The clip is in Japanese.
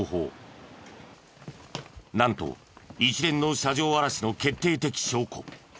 なんと一連の車上荒らしの決定的証拠